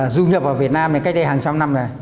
dung nhập vào việt nam cách đây hàng trăm năm rồi